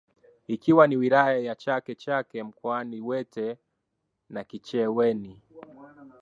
Ikiwa na wilaya za Chake Chake mkoani wete na micheweni